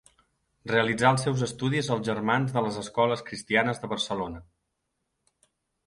Realitzà els seus estudis als Germans de les Escoles Cristianes de Barcelona.